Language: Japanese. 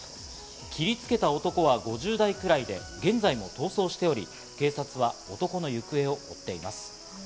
切りつけた男は５０代くらいで、現在も逃走しており、警察は男の行方を追っています。